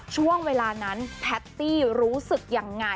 ช่วงเวลานั้นแพตตี้รู้สึกยังไง